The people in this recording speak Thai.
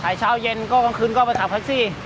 ขายเช้าเย็นขายคลื่นก็ไปขับคลักซี่